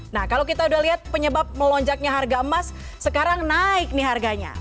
nah kalau kita udah lihat penyebab melonjaknya harga emas sekarang naik nih harganya